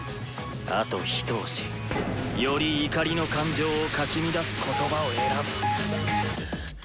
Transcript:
あとひと押し。より怒りの感情をかき乱す言葉を選ぶ。